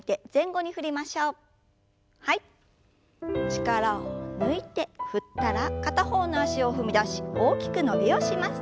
力を抜いて振ったら片方の脚を踏み出し大きく伸びをします。